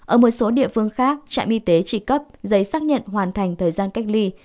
ở một số địa phương khác trạm y tế chỉ cấp giấy xác nhận hoàn thành thời gian cách ly